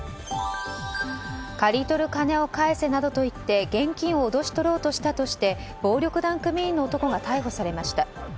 借りとる金を返せなどと言って現金を脅し取ろうとしたとして暴力団組員の男が逮捕されました。